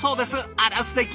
あらすてき！